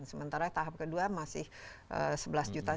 sementara tahap kedua masih sebelas juta